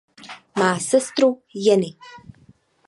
Má sestru Jenny.